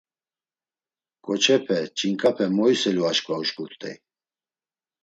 Ǩoçepe, ç̌inǩape moiselu aşǩva uşǩurt̆ey.